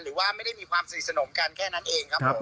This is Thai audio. หรือว่าไม่ได้มีความสนิทสนมกันแค่นั้นเองครับผม